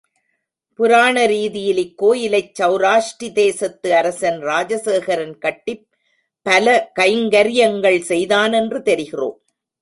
புராண ரீதியில் இக்கோயிலைச் சௌராஷ்டிதேசத்து அரசன் ராஜசேகரன் கட்டிப் பல கைங்கர்யங்கள் செய்தான் என்று தெரிகிறோம்.